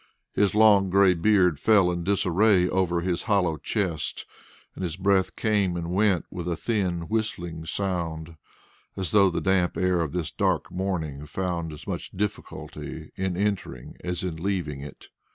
His long grey beard fell in disarray over his hollow chest, and his breath came and went with a thin whistling sound, as though the damp air of this dark morning found as much difficulty in entering as in leaving it.